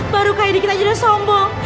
baru kayak dikit aja udah sombong